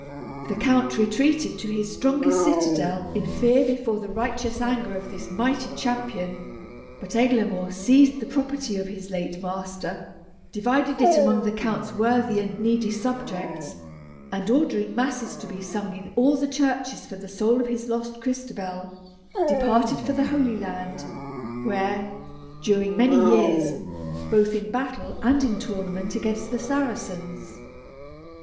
The count retreated to his strongest citadel in fear before the righteous anger of this mighty champion; but Eglamour seized the property of his late master, divided it among the count's worthy and needy subjects, and ordering masses to be sung in all the churches for the soul of his lost Crystabell, departed for the Holy Land, where, during many years, he distinguished himself both in battle and in tournament against the Saracens.